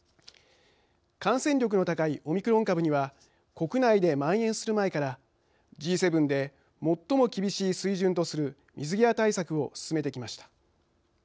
感染力の高いオミクロン株には国内で、まん延する前からＧ７で最も厳しい水準とする水際対策を進めてきました。